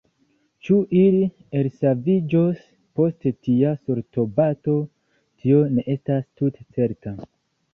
Ĉu ili elsaviĝos post tia sortobato, tio ne estas tute certa.